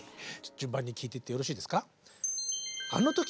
順番に聞いてってよろしいですか？